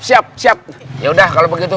siap siap yaudah kalau begitu